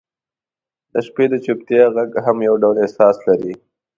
• د شپې د چوپتیا ږغ هم یو ډول احساس لري.